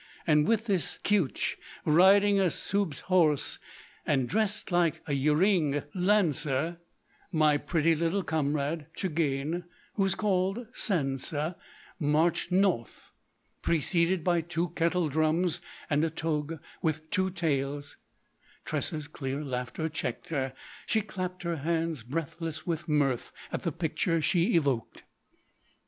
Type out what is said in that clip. And with this Keutch, riding a Soubz horse, and dressed like an Urieng lancer, my pretty little comrade Tchagane, who is called Sansa, marched north preceded by two kettle drums and a toug with two tails——" Tressa's clear laughter checked her; she clapped her hands, breathless with mirth at the picture she evoked.